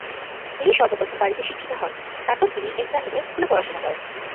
তিনি সর্বপ্রথম বাড়িতে শিক্ষিত হন, তারপর তিনি এনজাহেলে স্কুলে পড়াশোনা করেন।